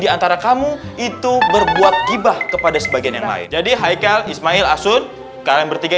antara kamu itu berbuat gibah kepada sebagian yang lain jadi haikal ismail asun kalian bertiga